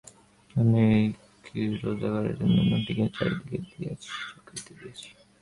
আমি কি রোজগারের জন্য নোটোকে চাকরিতে দিয়াছি?